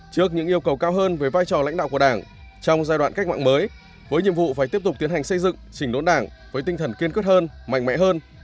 trước những yêu cầu cao hơn về vai trò lãnh đạo của đảng trong giai đoạn cách mạng mới với nhiệm vụ phải tiếp tục tiến hành xây dựng chỉnh đốn đảng với tinh thần kiên quyết hơn mạnh mẽ hơn